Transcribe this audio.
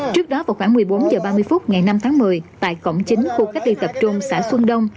trước đó vào khoảng một mươi bốn h ba mươi phút ngày năm tháng một mươi tại cổng chính khu cách ly tập trung xã xuân đông